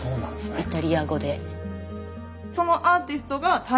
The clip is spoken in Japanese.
イタリア語で。